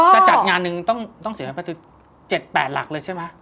จะจัดงานหนึ่งต้องเสียประตู๗๘หลักเลยใช่ไหม